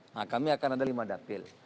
nah kami akan ada lima dapil